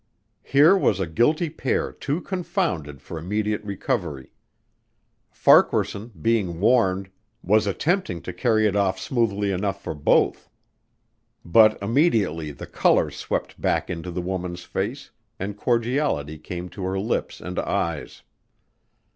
Here was a guilty pair too confounded for immediate recovery. Farquaharson, being warned, was attempting to carry it off smoothly enough for both. But immediately the color swept back into the woman's face and cordiality came to her lips and eyes.